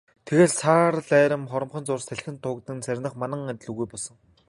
Тэгээд л саарал арми хоромхон зуурт салхинд туугдан сарних манан адил үгүй болсон.